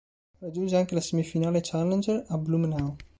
Raggiunge anche la semifinale Challenger a Blumenau.